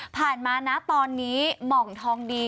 ผ่านมานะตอนนี้หม่องทองดี